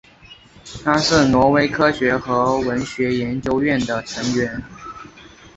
他是挪威科学和文学研究院的成员。